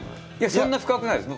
そんな深くないです。